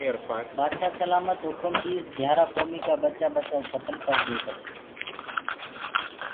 بآدشآه سلآمت هُڪم ديسي گھِيآرآ ڪوميٚ ڪآ ٻچآ ٻچآ ڪو ڪتل ڪرديئو پڇي